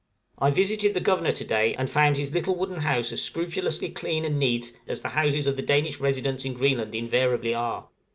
I visited the Governor to day, and found his little wooden house as scrupulously clean and neat as the houses of the Danish residents in Greenland invariably are.